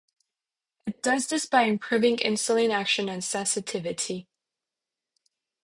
It does this by improving insulin action and sensitivity.